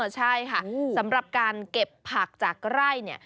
ใช่ค่ะสำหรับการเก็บผักจากไร่เนี่ย